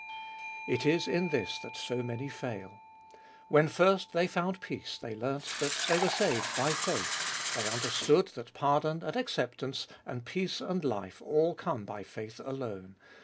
It is in this that so many fail. When first they found peace they learnt that they were saved by faith. They understood that pardon and acceptance and peace and life all come by faith alone.